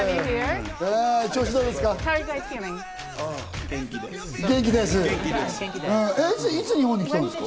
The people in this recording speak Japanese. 調子どうですか？